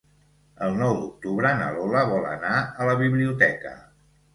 El nou d'octubre na Lola vol anar a la biblioteca.